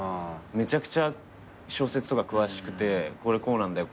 めちゃくちゃ小説とか詳しくて「これこうなんだよ。